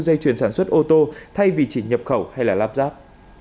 ngoại truyền sản xuất ô tô thay vì chỉ nhập khẩu hay là lắp ráp